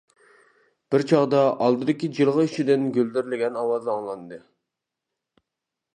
بىر چاغدا ئالدىدىكى جىلغا ئىچىدىن گۈلدۈرلىگەن ئاۋاز ئاڭلاندى.